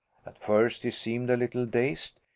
At first he seemed a little dazed.